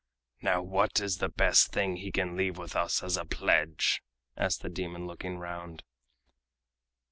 "Now what is the best thing he can leave with us as a pledge?" asked the demon, looking round.